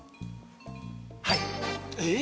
はい。